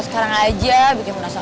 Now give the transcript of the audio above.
sekarang aja bikin penasaran